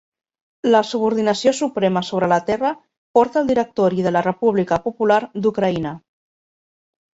La subordinació suprema sobre la terra porta el Directori de la República Popular d'Ucraïna.